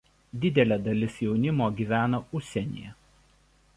Didelė dalis jaunimo gyvena užsienyje.